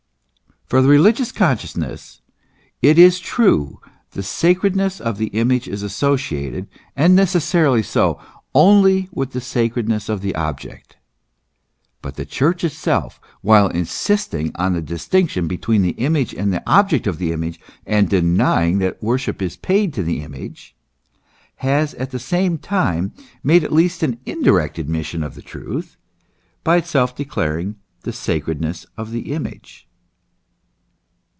For the religious con sciousness, it is true, the sacredness of the image is associated, and necessarily so, only with the sacredness of the object; but the religious consciousness is not the measure of truth. In deed, the Church itself, while insisting on the distinction between the image and the object of the image, and denying that the worship is paid to the image, has at the same time made at least an indirect admission of the truth, by itself declaring the sacredness of the image.